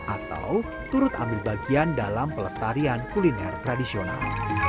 atau turut ambil bagian dalam pelestarian kuliner tradisional